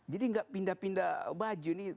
jadi nggak pindah pindah baju nih